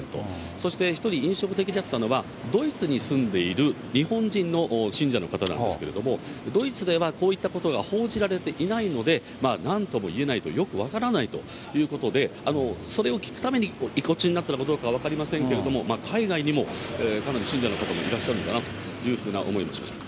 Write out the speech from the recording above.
そして１人、印象的だったのは、ドイツに住んでいる日本人の信者の方なんですけれども、ドイツではこういったことが報じられていないので、なんともいえないと、よく分からないということで、それを聞くために意固地になっているのかも分かりませんけれども、海外にもかなり信者の方がいらっしゃるんだなというふうな思いもしました。